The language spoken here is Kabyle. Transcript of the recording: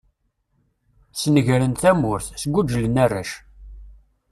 Snegren tamurt, sguǧlen arrac.